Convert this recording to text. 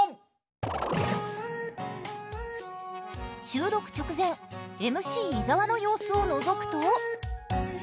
収録直前ＭＣ伊沢の様子をのぞくと。